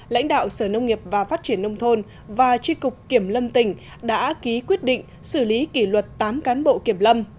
lãnh đạo sở nông nghiệp và phát triển nông thôn và tri cục kiểm lâm tỉnh đã ký quyết định xử lý kỷ luật tám cán bộ kiểm lâm